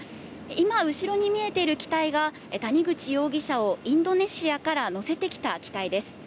今、後ろに見えている機体が谷口容疑者をインドネシアから乗せてきた機体です。